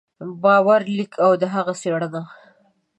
باور لیک او د هغه څېړنه